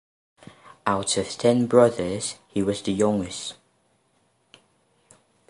Out of ten brothers, he was the youngest.